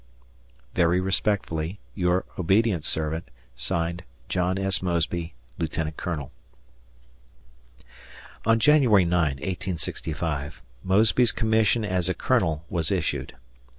. Very respectfully, Your obedient servant, (Signed) John S. Mosby, Lieutenant Colonel. On January 9, 1865, Mosby's commission as a colonel was issued.